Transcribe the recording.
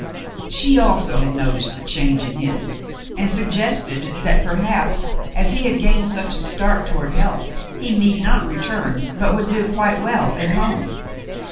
She also had noticed the change in him, and suggested that perhaps, as he had gained such a start toward health, he need not return, but would do quite well at home.